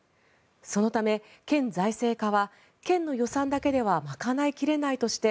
そのため、県財政課は県の予算だけでは賄い切れないとして